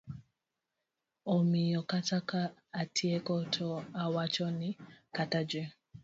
Omiyo kata ka atieko to awacho ni kata ji